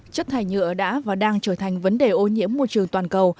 chất thải nhựa đã và đang trở thành vấn đề ô nhiễm môi trường toàn cầu